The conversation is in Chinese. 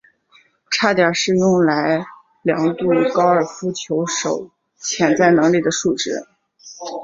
差点是用来量度高尔夫球手潜在能力的数值。